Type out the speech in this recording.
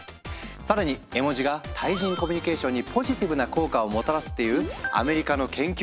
更に絵文字が対人コミュニケーションにポジティブな効果をもたらすっていうアメリカの研究結果も。